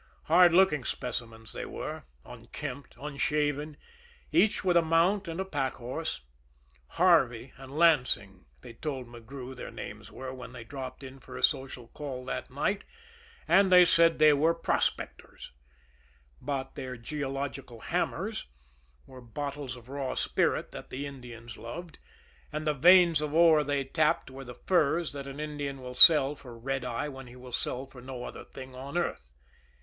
Hard looking specimens they were; unkempt, unshaven, each with a mount and a pack horse. Harvey and Lansing they told McGrew their names were, when they dropped in for a social call that night, and they said that they were prospectors but their geological hammers were bottles of raw spirit that the Indians loved, and the veins of ore they tapped were the furs that an Indian will sell for "red eye" when he will sell for no other thing on earth.